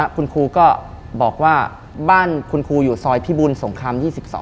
คุณครูก็บอกว่าบ้านคุณครูอยู่ซอยพิบุญสงคราม๒๒